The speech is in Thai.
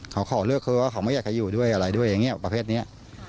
เขาขอเลิกคือว่าเขาไม่อยากจะอยู่ด้วยอะไรด้วยอย่างนี้ประเภทนี้